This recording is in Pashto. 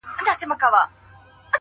مثبت فکر د ذهن دروازې پرانیزي،